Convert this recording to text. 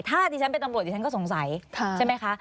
ถ้าดิฉันเป็นตำรวจดิฉันก็สงสัยใช่ไหมคะ